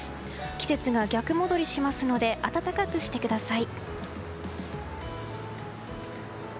季節が逆戻りしますので暖かくしてください。